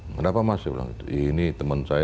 kenapa mas saya bilang ini teman saya